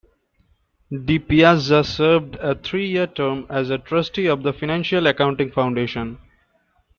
DiPiazza served a three-year term as a trustee of the Financial Accounting Foundation.